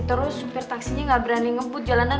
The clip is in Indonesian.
terus supir taksinya nggak berani ngebut jalanan